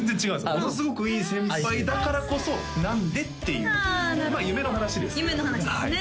ものすごくいい先輩だからこそ何で？っていうまあ夢の話ですけどね夢の話ですね